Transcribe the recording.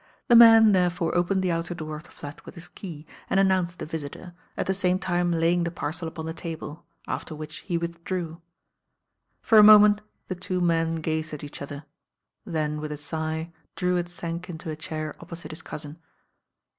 The man therefore opened the outer door of the flat with his key, and announced the visitor, at the same time laying the parcel upon the table, after which he withdrew. For a moment the two men gazed at each other, then with a sigh Drewitt sank mto a chair opposite his cousin.